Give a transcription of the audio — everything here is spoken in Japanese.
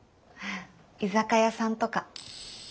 居酒屋さんとか。